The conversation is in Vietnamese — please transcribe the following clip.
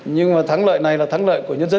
nhưng mà thắng lợi này là thắng lợi của nhân dân